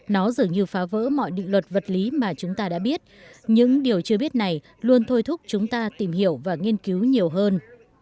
nó dường như phá vỡ mọi định luật vật lý mà chúng ta đã biết những điều chưa biết này luôn thôi thúc chúng ta tìm hiểu và nghiên cứu nhiều hơn